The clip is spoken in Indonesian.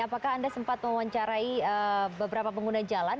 apakah anda sempat mewawancarai beberapa pengguna jalan